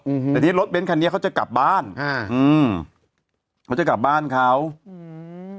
อืมแต่ที่รถเน้นคันนี้เขาจะกลับบ้านอ่าอืมเขาจะกลับบ้านเขาอืม